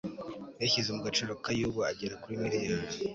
uyashyize mu gaciro k'ay'ubu agera kuri miliyari